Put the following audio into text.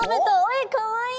えかわいい！